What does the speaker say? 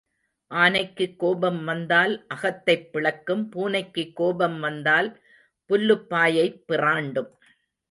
ஆனைக்குக் கோபம் வந்தால் அகத்தைப் பிளக்கும் பூனைக்குக் கோபம் வந்தால் புல்லுப்பாயைப் பிறாண்டும்.